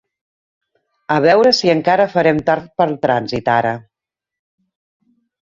A veure si encara farem tard pel trànsit, ara.